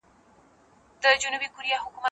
زه اجازه لرم چي ليک ولولم،